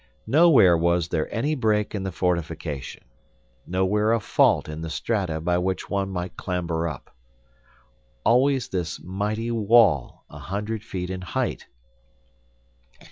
Nowhere was there any break in the fortification; nowhere a fault in the strata by which one might clamber up. Always this mighty wall, a hundred feet in height!